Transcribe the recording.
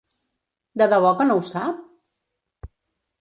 De debò que no ho sap?